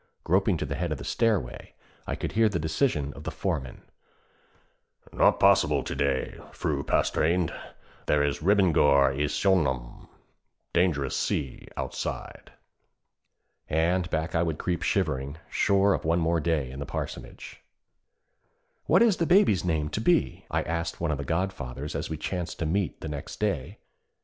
Groping to the head of the stairway, I could hear the decision of the foreman: 'Not possible to day, Fru Pastorinde. There is ribbingur i sjónum (dangerous sea) outside.' And back I would creep shivering, sure of one day more in the parsonage. 'What is the Baby's name to be?' I asked one of the godfathers, as we chanced to meet the next day.